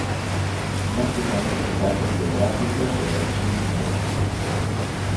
No se conocen datos biográficos de Eugene Moore.